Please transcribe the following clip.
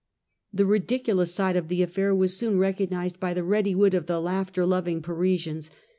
The ridiculous side of the affair was soon recognised by the ready wit of the laughter loving Parisians.